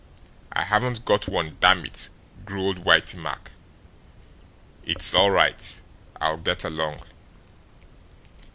"I haven't got one, damn it!", growled Whitey Mack. "It's all right. I'll get along."